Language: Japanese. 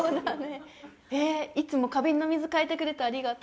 いつも花瓶の水換えてくれてありがとう。